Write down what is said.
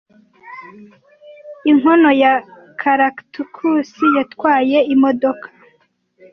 Inkono ya Caractacus yatwaye imodoka